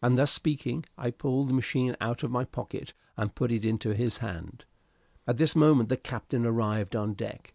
And thus speaking, I pulled the machine out of my pocket, and put it into his hand. At this moment the captain arrived on deck.